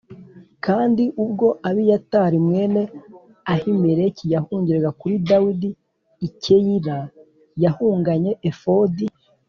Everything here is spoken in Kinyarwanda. Kandi ubwo Abiyatari mwene Ahimeleki yahungiraga kuri Dawidi i Keyila yahunganye efodi.